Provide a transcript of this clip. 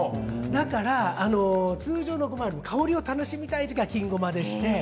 だから通常のごまより香りを楽しみたい時は金ごまにして。